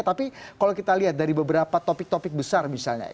tapi kalau kita lihat dari beberapa topik topik besar misalnya